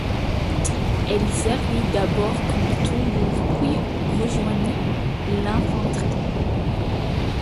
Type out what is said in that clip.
Elle y servit d'abord comme tambour, puis rejoignit l'infanterie.